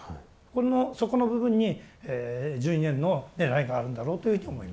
このそこの部分に１２年のねらいがあるんだろうというふうに思います。